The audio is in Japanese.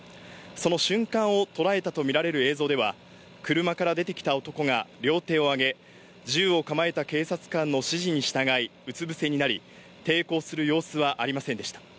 その瞬間をとらえたとみられる映像では車から出てきた男が両手を挙げ、銃を構えた警察官の指示に従い、うつぶせになり抵抗する様子はありませんでした。